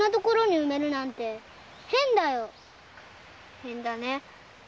変だね。